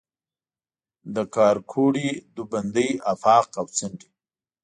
د کارکوړي، دوبندۍ آفاق او څنډي